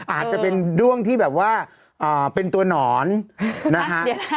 อาจจะเป็นด้วงที่แบบว่าเป็นตัวหนอนนะฮะ